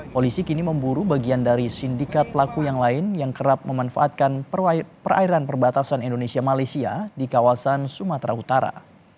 polisi kini memburu bagian dari sindikat pelaku yang lain yang kerap memanfaatkan perairan perbatasan indonesia malaysia di kawasan sumatera utara